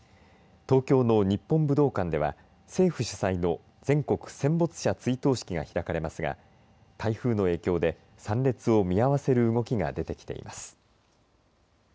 東京の日本武道館では政府主催の全国戦没者追悼式が開かれますが台風の影響で参列を見合わせる動きが出てきています。